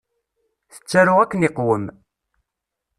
Tettaru akken iqwem.